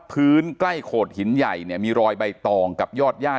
พื้นใกล้โขดหินใหญ่เนี่ยมีรอยใบตองกับยอดย่า